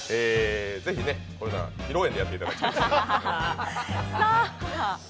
ぜひ、こういうのは披露宴でやっていただきたい。